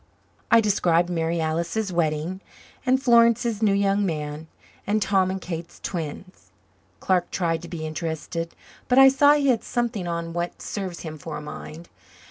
I described Mary Alice's wedding, and Florence's new young man, and Tom and Kate's twins. Clark tried to be interested but I saw he had something on what serves him for a mind.